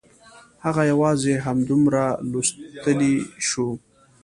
هغه یوازې همدومره لوستلی شو